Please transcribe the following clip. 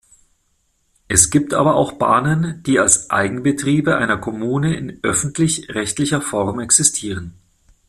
Es gibt aber auch Bahnen, die als Eigenbetriebe einer Kommune in öffentlich-rechtlicher Form existieren.